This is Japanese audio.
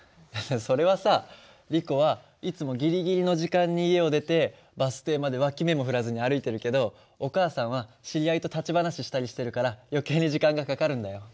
それはさリコはいつもギリギリの時間に家を出てバス停まで脇目も振らずに歩いてるけどお母さんは知り合いと立ち話したりしてるから余計に時間がかかるんだよ。